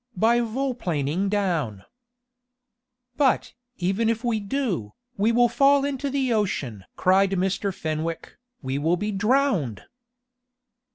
"By vol planing down!" "But, even if we do, we will fall into the ocean!" cried Mr. Fenwick. "We will be drowned!"